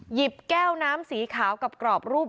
แก้วน้ำสีขาวกับกรอบรูป